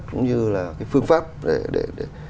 cũng như là cái phương pháp để